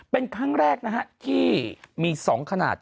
เป็นครั้งแรกนะฮะที่มี๒ขนาด